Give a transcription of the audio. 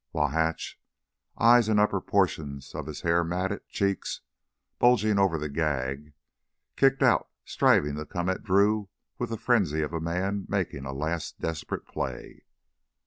While Hatch, eyes and upper portions of his hair matted cheeks bulging over the gag, kicked out, striving to come at Drew with the frenzy of a man making a last desperate play.